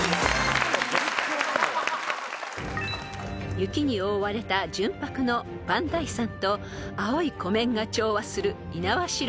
［雪に覆われた純白の磐梯山と青い湖面が調和する猪苗代湖の冬］